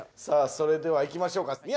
さあそれではいきましょうか。